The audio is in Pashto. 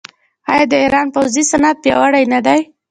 آیا د ایران پوځي صنعت پیاوړی نه دی؟